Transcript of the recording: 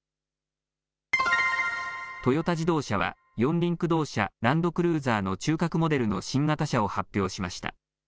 トヨタ自動車は、四輪駆動車、ランドクルーザーの中核モデルの新型車を発表しました。